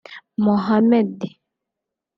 Mohamed